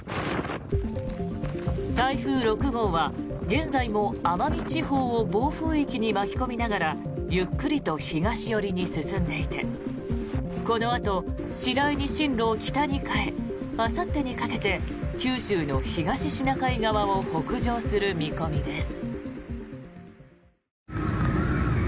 台風６号は現在も奄美地方を暴風域に巻き込みながらゆっくりと東寄りに進んでいてこのあと次第に進路を北に変えあさってにかけて九州の東シナ海側を北上する見込みです。